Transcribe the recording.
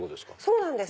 そうなんです。